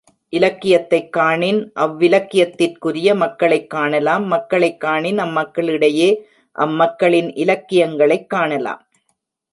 இலக்கியத்தைக் காணின், அவ்விலக்கியத்திற் குரிய மக்களைக் காணலாம் மக்களைக் காணின், அம் மக்களிடையே அம் மக்களின் இலக்கியங்களைக் காணலாம்.